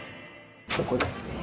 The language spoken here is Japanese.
ここですね。